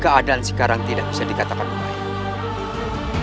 keadaan sekarang tidak bisa dikatakan baik